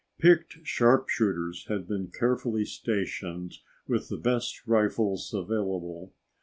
Picked sharpshooters had been carefully stationed with the best rifles available.